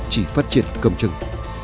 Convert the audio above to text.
chỉ phát triển cầm chừng